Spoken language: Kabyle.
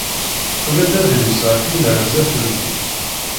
Tura-d adlis ɣef yinerzafen-nni.